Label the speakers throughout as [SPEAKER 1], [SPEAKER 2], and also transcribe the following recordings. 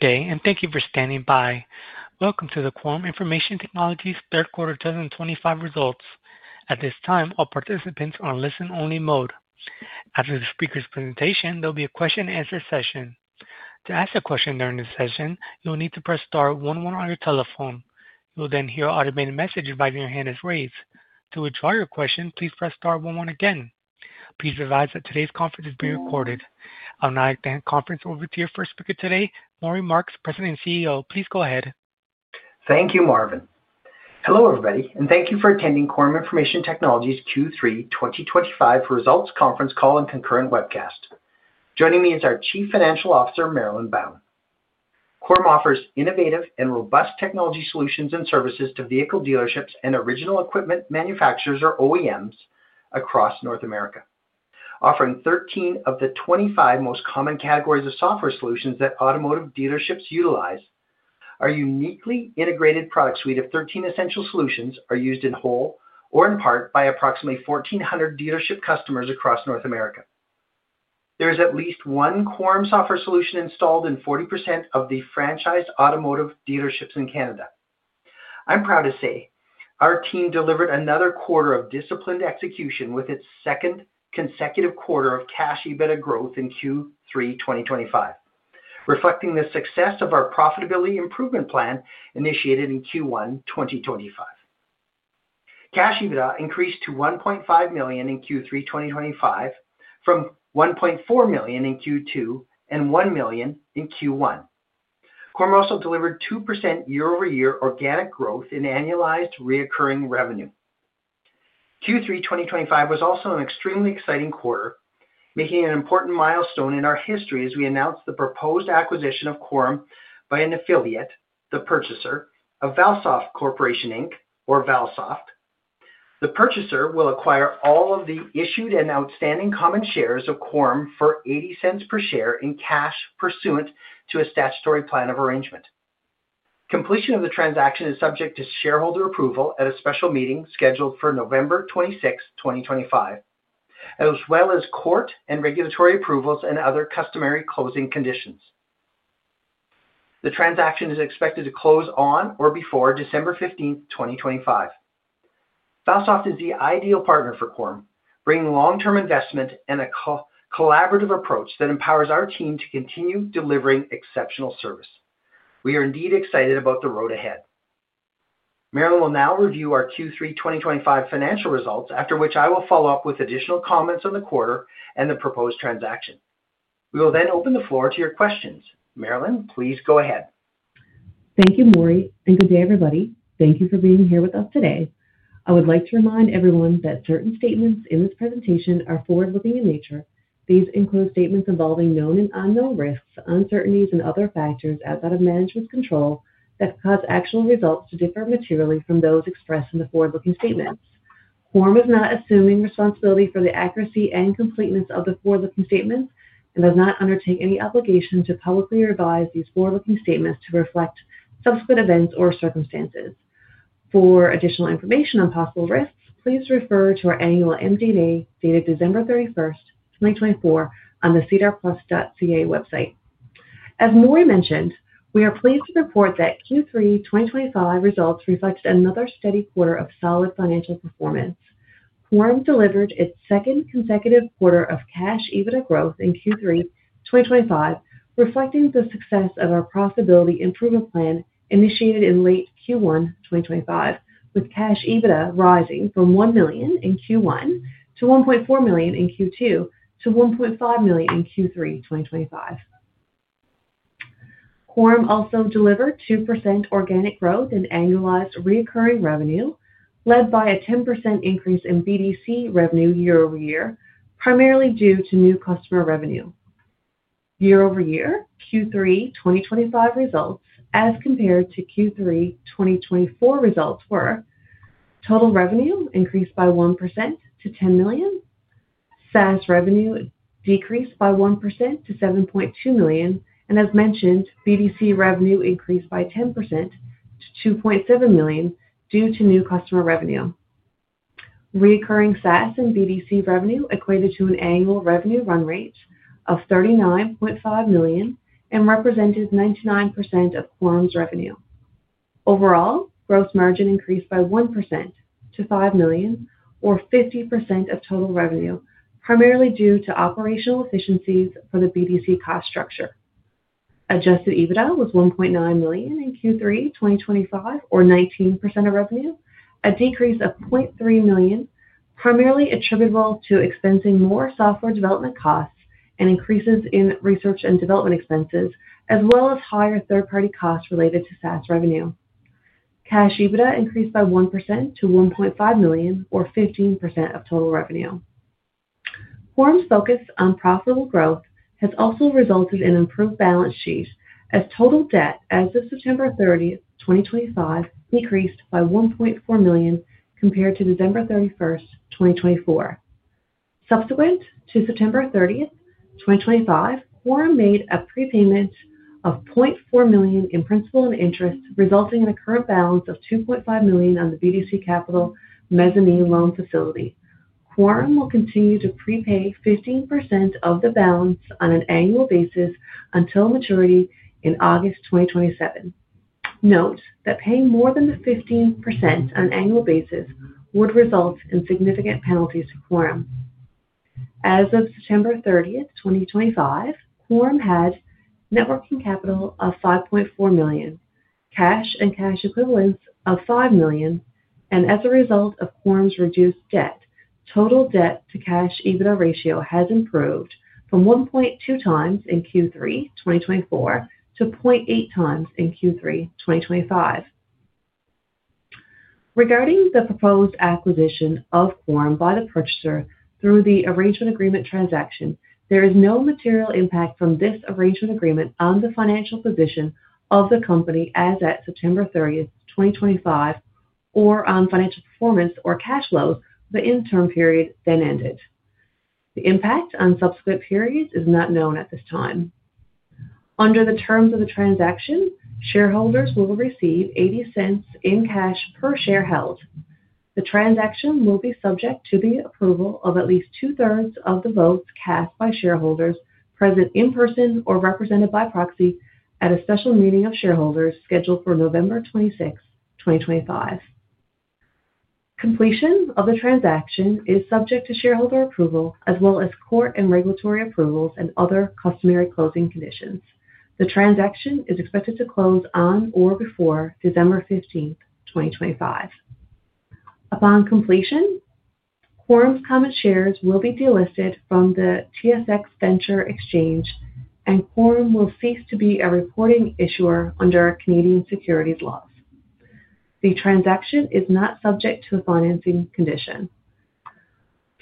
[SPEAKER 1] Good day, and thank you for standing by. Welcome to the Quorum Information Technologies third quarter 2025 results. At this time, all participants are on listen-only mode. After the speaker's presentation, there will be a question-and-answer session. To ask a question during this session, you'll need to press star 11 on your telephone. You'll then hear an automated message inviting your hand is raised. To withdraw your question, please press star 11 again. Please advise that today's conference is being recorded. I'll now extend the conference over to your first speaker today, Maury Marks, President and CEO. Please go ahead.
[SPEAKER 2] Thank you, Marvin. Hello, everybody, and thank you for attending Quorum Information Technologies Q3 2025 Results Conference Call and Concurrent Webcast. Joining me is our Chief Financial Officer, Marilyn Bown. Quorum offers innovative and robust technology solutions and services to vehicle dealerships and original equipment manufacturers, or OEMs, across North America. Offering 13 of the 25 most common categories of software solutions that automotive dealerships utilize, our uniquely integrated product suite of 13 essential solutions is used in whole or in part by approximately 1,400 dealership customers across North America. There is at least one Quorum software solution installed in 40% of the franchised automotive dealerships in Canada. I'm proud to say our team delivered another quarter of disciplined execution with its second consecutive quarter of cash EBITDA growth in Q3 2025, reflecting the success of our profitability improvement plan initiated in Q1 2025. Cash EBITDA increased to 1.5 million in Q3 2025, from 1.4 million in Q2 and 1 million in Q1. Quorum also delivered 2% year-over-year organic growth in annualized recurring revenue. Q3 2025 was also an extremely exciting quarter, making an important milestone in our history as we announced the proposed acquisition of Quorum by an affiliate, the purchaser, of Valsoft Corporation, or Valsoft. The purchaser will acquire all of the issued and outstanding common shares of Quorum for 0.80 per share in cash pursuant to a statutory plan of arrangement. Completion of the transaction is subject to shareholder approval at a special meeting scheduled for November 26, 2025, as well as court and regulatory approvals and other customary closing conditions. The transaction is expected to close on or before December 15, 2025. Valsoft is the ideal partner for Quorum, bringing long-term investment and a collaborative approach that empowers our team to continue delivering exceptional service. We are indeed excited about the road ahead. Marilyn will now review our Q3 2025 financial results, after which I will follow up with additional comments on the quarter and the proposed transaction. We will then open the floor to your questions. Marilyn, please go ahead.
[SPEAKER 3] Thank you, Maury, and good day, everybody. Thank you for being here with us today. I would like to remind everyone that certain statements in this presentation are forward-looking in nature. These include statements involving known and unknown risks, uncertainties, and other factors outside of management's control that cause actual results to differ materially from those expressed in the forward-looking statements. Quorum is not assuming responsibility for the accuracy and completeness of the forward-looking statements and does not undertake any obligation to publicly revise these forward-looking statements to reflect subsequent events or circumstances. For additional information on possible risks, please refer to our annual MD&A dated December 31, 2024, on the cedarplus.ca website. As Maury mentioned, we are pleased to report that Q3 2025 results reflected another steady quarter of solid financial performance. Quorum delivered its second consecutive quarter of cash EBITDA growth in Q3 2025, reflecting the success of our profitability improvement plan initiated in late Q1 2025, with cash EBITDA rising from 1 million in Q1 to 1.4 million in Q2 to 1.5 million in Q3 2025. Quorum also delivered 2% organic growth in annualized recurring revenue, led by a 10% increase in BDC revenue year-over-year, primarily due to new customer revenue. Year-over-year, Q3 2025 results, as compared to Q3 2024 results, were total revenue increased by 1% to 10 million, SaaS revenue decreased by 1% to 7.2 million, and as mentioned, BDC revenue increased by 10% to 2.7 million due to new customer revenue. Recurring SaaS and BDC revenue equated to an annual revenue run rate of 39.5 million and represented 99% of Quorum's revenue. Overall, gross margin increased by 1% to 5 million, or 50% of total revenue, primarily due to operational efficiencies for the BDC cost structure. Adjusted EBITDA was 1.9 million in Q3 2025, or 19% of revenue, a decrease of 0.3 million, primarily attributable to expensing more software development costs and increases in research and development expenses, as well as higher third-party costs related to SaaS revenue. Cash EBITDA increased by 1% to 1.5 million, or 15% of total revenue. Quorum's focus on profitable growth has also resulted in improved balance sheets, as total debt as of September 30, 2025, decreased by 1.4 million compared to December 31, 2024. Subsequent to September 30, 2025, Quorum made a prepayment of 0.4 million in principal and interest, resulting in a current balance of 2.5 million on the BDC Capital Mezzanine Loan Facility. Quorum will continue to prepay 15% of the balance on an annual basis until maturity in August 2027. Note that paying more than 15% on an annual basis would result in significant penalties to Quorum. As of September 30, 2025, Quorum had networking capital of 5.4 million, cash and cash equivalents of 5 million, and as a result of Quorum's reduced debt, total debt-to-cash EBITDA ratio has improved from 1.2 times in Q3 2024 to 0.8 times in Q3 2025. Regarding the proposed acquisition of Quorum by the purchaser through the arrangement agreement transaction, there is no material impact from this arrangement agreement on the financial position of the company as at September 30, 2025, or on financial performance or cash flows for the interim period then ended. The impact on subsequent periods is not known at this time. Under the terms of the transaction, shareholders will receive 0.80 in cash per share held. The transaction will be subject to the approval of at least two-thirds of the votes cast by shareholders present in person or represented by proxy at a special meeting of shareholders scheduled for November 26, 2025. Completion of the transaction is subject to shareholder approval, as well as court and regulatory approvals and other customary closing conditions. The transaction is expected to close on or before December 15, 2025. Upon completion, Quorum's common shares will be delisted from the TSX Venture Exchange, and Quorum will cease to be a reporting issuer under Canadian securities laws. The transaction is not subject to the financing condition.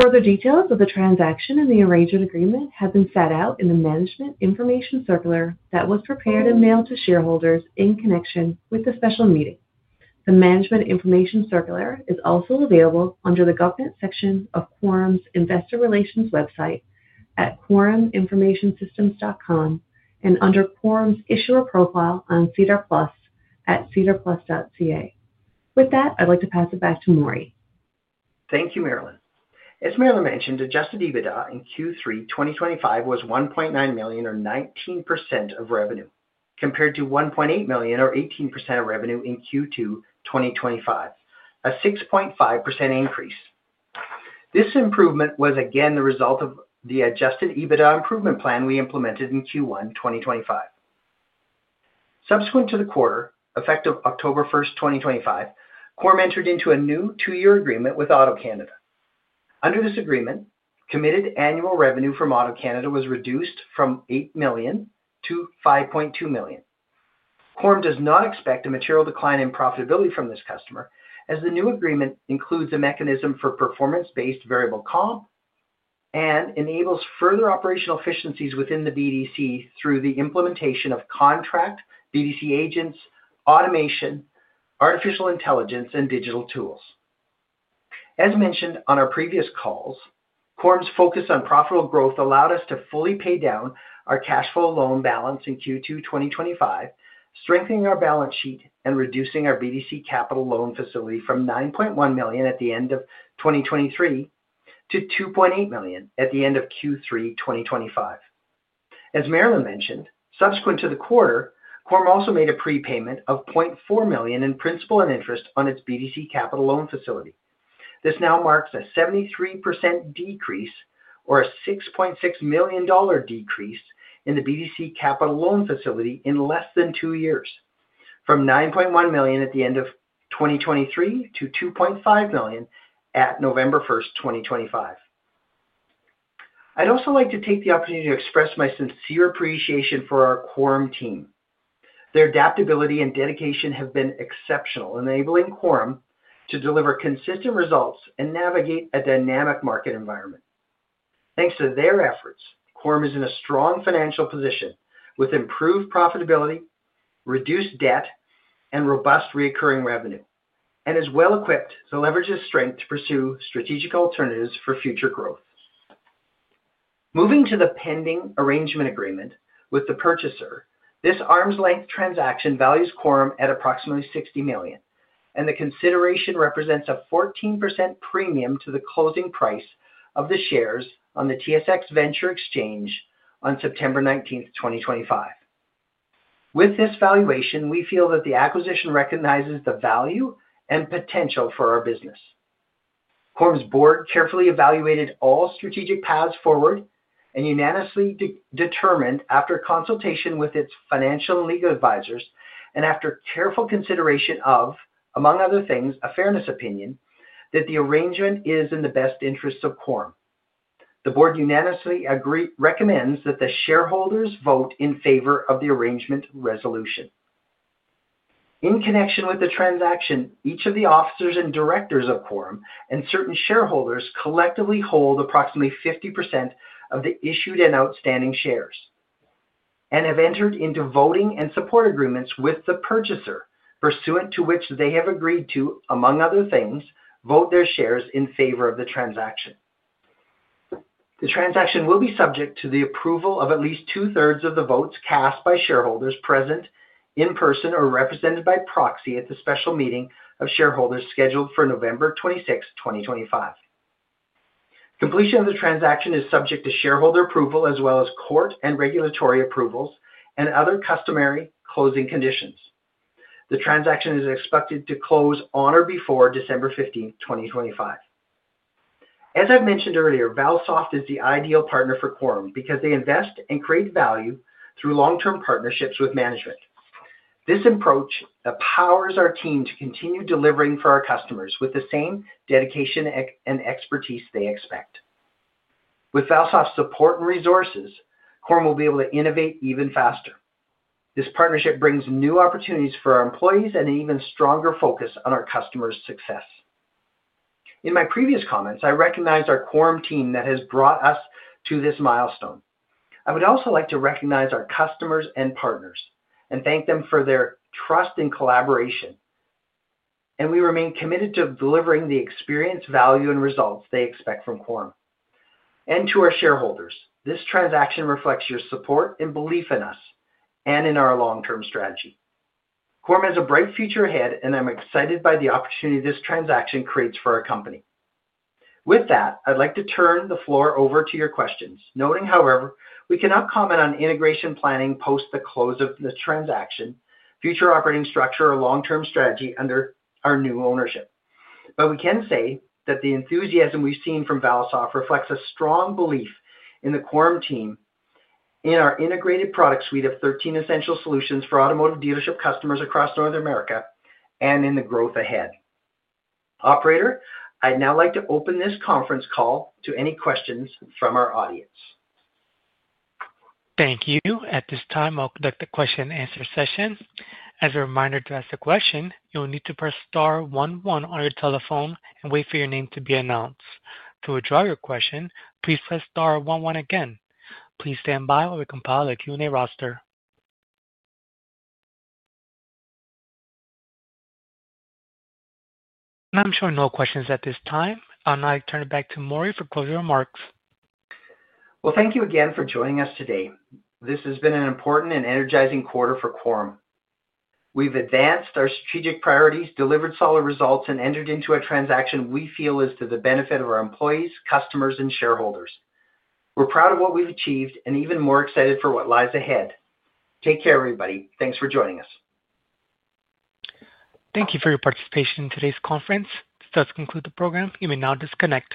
[SPEAKER 3] Further details of the transaction and the arrangement agreement have been set out in the Management Information Circular that was prepared and mailed to shareholders in connection with the special meeting. The Management Information Circular is also available under the governance section of Quorum's Investor Relations website at quoruminformationtechnologies.com and under Quorum's issuer profile on SEDAR+ at sedarplus.ca. With that, I'd like to pass it back to Maury.
[SPEAKER 2] Thank you, Marilyn. As Marilyn mentioned, adjusted EBITDA in Q3 2025 was 1.9 million, or 19% of revenue, compared to 1.8 million, or 18% of revenue in Q2 2025, a 6.5% increase. This improvement was again the result of the adjusted EBITDA improvement plan we implemented in Q1 2025. Subsequent to the quarter, effective October 1, 2025, Quorum entered into a new two-year agreement with AutoCanada. Under this agreement, committed annual revenue from AutoCanada was reduced from 8 million to 5.2 million. Quorum does not expect a material decline in profitability from this customer, as the new agreement includes a mechanism for performance-based variable comp and enables further operational efficiencies within the BDC through the implementation of contract BDC agents, automation, artificial intelligence, and digital tools. As mentioned on our previous calls, Quorum's focus on profitable growth allowed us to fully pay down our cash flow loan balance in Q2 2025, strengthening our balance sheet and reducing our BDC Capital Loan Facility from 9.1 million at the end of 2023 to 2.8 million at the end of Q3 2025. As Marilyn mentioned, subsequent to the quarter, Quorum also made a prepayment of CAD 0.4 million in principal and interest on its BDC Capital Loan Facility. This now marks a 73% decrease, or a 6.6 million dollar decrease in the BDC Capital Loan Facility in less than two years, from 9.1 million at the end of 2023 to 2.5 million at November 1, 2025. I'd also like to take the opportunity to express my sincere appreciation for our Quorum team. Their adaptability and dedication have been exceptional, enabling Quorum to deliver consistent results and navigate a dynamic market environment. Thanks to their efforts, Quorum is in a strong financial position with improved profitability, reduced debt, and robust recurring revenue, and is well equipped to leverage its strength to pursue strategic alternatives for future growth. Moving to the pending arrangement agreement with the purchaser, this arm's length transaction values Quorum at approximately 60 million, and the consideration represents a 14% premium to the closing price of the shares on the TSX Venture Exchange on September 19, 2025. With this valuation, we feel that the acquisition recognizes the value and potential for our business. Quorum's board carefully evaluated all strategic paths forward and unanimously determined, after consultation with its financial and legal advisors and after careful consideration of, among other things, a fairness opinion, that the arrangement is in the best interests of Quorum. The board unanimously recommends that the shareholders vote in favor of the arrangement resolution. In connection with the transaction, each of the officers and directors of Quorum and certain shareholders collectively hold approximately 50% of the issued and outstanding shares and have entered into voting and support agreements with the purchaser, pursuant to which they have agreed to, among other things, vote their shares in favor of the transaction. The transaction will be subject to the approval of at least two-thirds of the votes cast by shareholders present in person or represented by proxy at the special meeting of shareholders scheduled for November 26, 2025. Completion of the transaction is subject to shareholder approval, as well as court and regulatory approvals and other customary closing conditions. The transaction is expected to close on or before December 15, 2025. As I've mentioned earlier, Valsoft is the ideal partner for Quorum because they invest and create value through long-term partnerships with management. This approach empowers our team to continue delivering for our customers with the same dedication and expertise they expect. With Valsoft's support and resources, Quorum will be able to innovate even faster. This partnership brings new opportunities for our employees and an even stronger focus on our customers' success. In my previous comments, I recognize our Quorum team that has brought us to this milestone. I would also like to recognize our customers and partners and thank them for their trust and collaboration. We remain committed to delivering the experience, value, and results they expect from Quorum. To our shareholders, this transaction reflects your support and belief in us and in our long-term strategy. Quorum has a bright future ahead, and I'm excited by the opportunity this transaction creates for our company. With that, I'd like to turn the floor over to your questions, noting, however, we cannot comment on integration planning post the close of the transaction, future operating structure, or long-term strategy under our new ownership. We can say that the enthusiasm we've seen from Valsoft reflects a strong belief in the Quorum team, in our integrated product suite of 13 essential solutions for automotive dealership customers across North America, and in the growth ahead. Operator, I'd now like to open this conference call to any questions from our audience.
[SPEAKER 1] Thank you. At this time, I'll conduct the question-and-answer session. As a reminder to ask a question, you'll need to press star one one on your telephone and wait for your name to be announced. To withdraw your question, please press star one one again. Please stand by while we compile a Q&A roster. I'm showing no questions at this time. I'll now turn it back to Maury for closing remarks.
[SPEAKER 2] Thank you again for joining us today. This has been an important and energizing quarter for Quorum. We've advanced our strategic priorities, delivered solid results, and entered into a transaction we feel is to the benefit of our employees, customers, and shareholders. We're proud of what we've achieved and even more excited for what lies ahead. Take care, everybody. Thanks for joining us.
[SPEAKER 1] Thank you for your participation in today's conference. This does conclude the program. You may now disconnect.